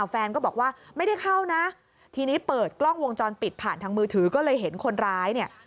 แฟนก็บอกว่าไม่ได้เข้านะทีนี้เปิดกล้องวงจรปิดผ่านทางมือถือก็เลยเห็นคนร้ายเนี่ย